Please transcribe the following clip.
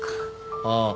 ああ。